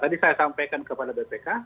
tadi saya sampaikan kepada bpk